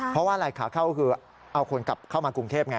เพราะว่าอะไรขาเข้าก็คือเอาคนกลับเข้ามากรุงเทพไง